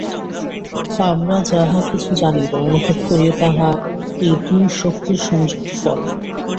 আমরা যাহা কিছু জানি বা অনুভব করি, তাহা এই দুই শক্তির সংযুক্ত ফল।